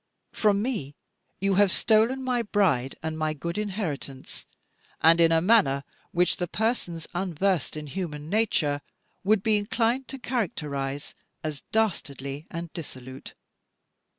From me you have stolen my bride and my good inheritance, and in a manner which the persons unversed in human nature would be inclined to characterise as dastardly and dissolute.